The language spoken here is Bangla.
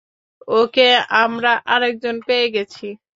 ওকে আমরা আরেকজন পেয়ে গেছি।